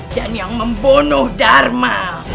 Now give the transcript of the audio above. dan yang membunuh dharma